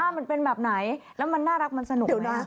มันเป็นแบบไหนแล้วมันน่ารักมันสนุกนะ